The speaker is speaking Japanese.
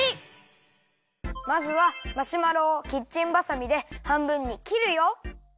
まずはマシュマロをキッチンばさみではんぶんにきるよ。